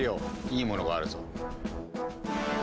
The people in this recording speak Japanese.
いいものがあるぞ。